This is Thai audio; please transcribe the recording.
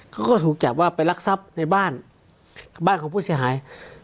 เขาก็ถูกจับว่าไปรักทรัพย์ในบ้านบ้านของผู้เสียหาย